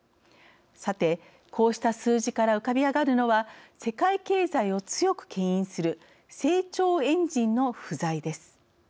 さて、こうした数字から浮かび上がるのは世界経済を強くけん引する成長エンジンの不在です。